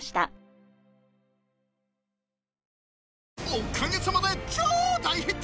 おかげさまで超大ヒット！！